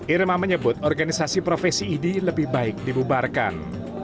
irma menyebut organisasi profesi idi lebih baik dibubarkan